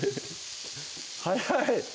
早い！